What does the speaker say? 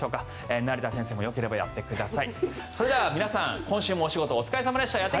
成田先生もよければやってください。